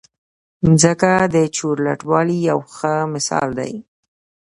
مځکه د چورلټوالي یو ښه مثال دی.